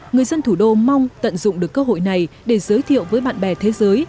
người dân thủ đô mong tận dụng được cơ hội này để giới thiệu với bạn bè thế giới